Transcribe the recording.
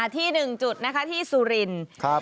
ที่หนึ่งจุดที่สุรินครับ